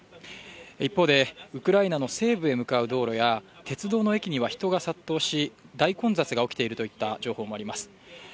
一方で、ウクライナの西部へ向かう道路や鉄道の駅には人が殺到し、大混雑が起きているといった情報もあります。